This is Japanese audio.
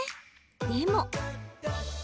でも。